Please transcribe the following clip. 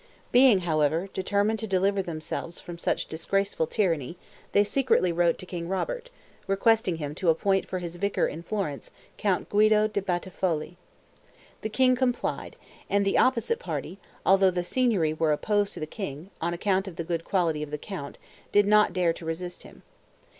Being, however, determined to deliver themselves from such disgraceful tyranny, they secretly wrote to King Robert, requesting him to appoint for his vicar in Florence Count Guido da Battifolle. The king complied; and the opposite party, although the Signory were opposed to the king, on account of the good quality of the count, did not dare to resist him.